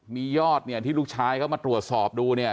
มียอดเนี่ยที่ลูกชายเขามาตรวจสอบดูเนี่ย